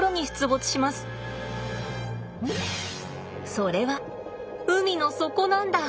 それは海の底なんだ。